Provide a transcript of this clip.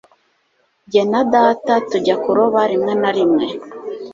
Jye na data tujya kuroba rimwe na rimwe.